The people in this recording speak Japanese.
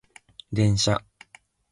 電車